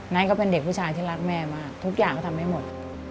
ก็เป็นเด็กผู้ชายที่รักแม่มากทุกอย่างก็ทำให้หมด